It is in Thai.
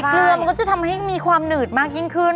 เกลือมันก็จะทำให้มีความหนืดมากยิ่งขึ้น